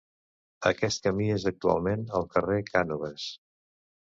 Aquest camí és actualment el carrer Cànoves.